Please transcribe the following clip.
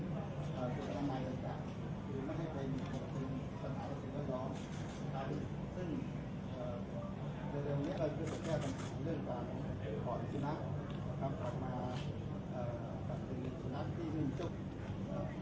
สิ่งที่เราทำใหม่กันคือไม่ให้เป็นประสบคุณสำหรับสิทธิ์รายล้อมสำหรับสิทธิ์ศึกษ์